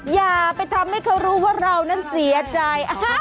อย่าไปทำให้เขารู้ว่าเรานั้นเสียใจ